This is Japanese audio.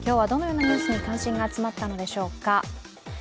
今日はどのようなニュースに感心が集まったのでしょうか。